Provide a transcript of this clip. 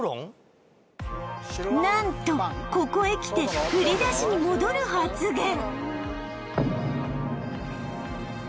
何とここへきてふりだしに戻る発言